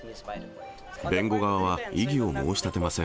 弁護側は異議を申し立てません。